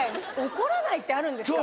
怒らないってあるんですか。